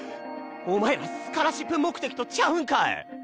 お前らスカラシップ目的とちゃうんかい。